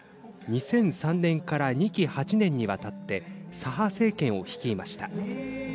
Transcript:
２００３年から２期８年にわたって左派政権を率いました。